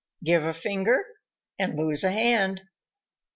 _Give a finger and lose a hand.